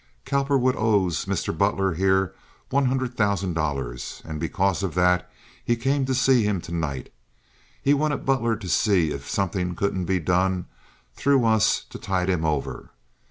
Cowperwood owes Mr. Butler here one hundred thousand dollars, and because of that he came to see him to night. He wanted Butler to see if something couldn't be done through us to tide him over.